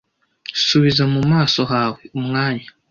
Subiza mu maso hawe: umwanya